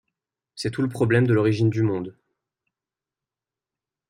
C'est tout le problème de l'origine du monde.